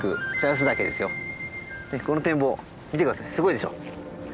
すごいでしょ？うわ！